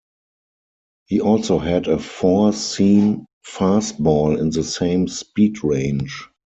He also had a four-seam fastball in the same speed range.